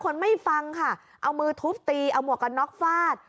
คนไม่ฟังค่ะเอามือทุบตีเอาหมวกกันน็อกฟาด